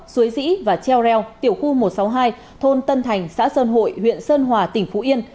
suối dĩ và treo reo tiểu khu một trăm sáu mươi hai thôn tân thành xã sơn hội huyện sơn hòa tỉnh phú yên